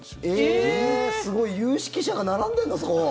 すごい有識者が並んでんの、そこ？